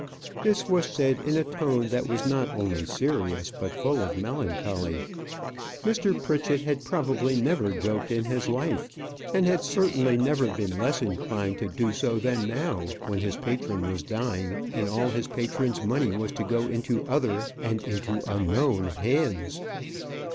This was said in a tone that was not only serious, but full of melancholy. Mr. Pritchett had probably never joked in his life, and had certainly never been less inclined to do so than now, when his patron was dying, and all his patron's money was to go into other and into unknown hands.